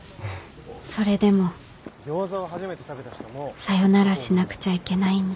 それでもさよならしなくちゃいけないんだ